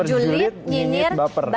julid nyinyir baper